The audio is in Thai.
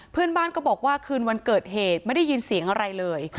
เพื่อนบ้านก็บอกว่าคืนวันเกิดเหตุไม่ได้ยินเสียงอะไรเลย